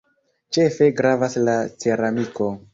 Ĉefe gravas la ceramiko.